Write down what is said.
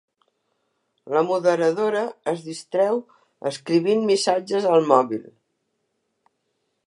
La moderadora es distreu escrivint missatges al mòbil.